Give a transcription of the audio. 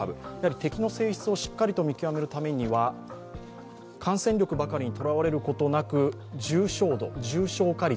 敵の性質をしかりと見極めるためには感染力にとらわれるばかりではなく重症度、重症化率、